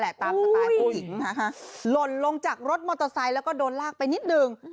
ตามสไตล์ผู้หญิงนะคะหล่นลงจากรถมอเตอร์ไซค์แล้วก็โดนลากไปนิดหนึ่ง